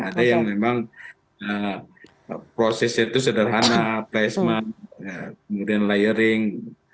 ada yang memang prosesnya itu sederhana placement kemudian layering